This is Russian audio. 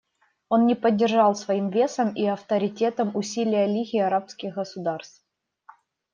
Он не поддержал своим весом и авторитетом усилия Лиги арабских государств.